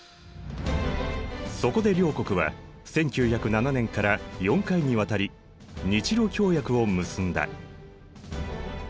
そこで両国は１９０７年から４回にわたり日露協約を結んだ。